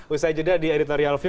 usai jeda di editorial view